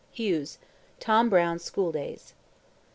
HUGHES: "Tom Brown's School Days."